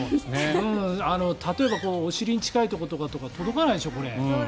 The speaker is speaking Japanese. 例えばお尻に近いところとか届かないでしょ、これ。